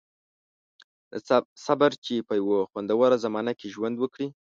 • صبر، چې په یوه خوندوره زمانه کې ژوند وکړئ.